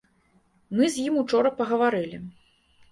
Мы з ім учора пагаварылі.